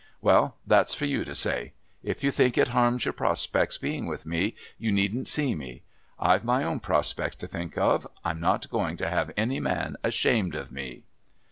Well, that's for you to say. If you think it harms your prospects being with me you needn't see me. I've my own prospects to think of. I'm not going to have any man ashamed of me."